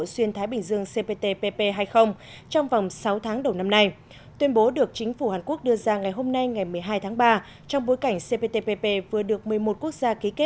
xin được chuyển sang những thông tin quốc tế